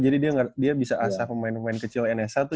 jadi dia bisa asah pemain pemain kecil nsa tuh